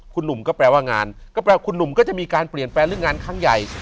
คุณหนุ่มก็แปลว่างานก็แปลว่าคุณหนุ่มก็จะมีการเปลี่ยนแปลงเรื่องงานครั้งใหญ่